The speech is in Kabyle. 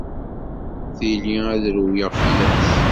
Tili ad rewleɣ fell-as.